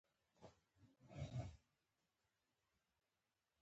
افغان نجونې ولې زده کړې غواړي؟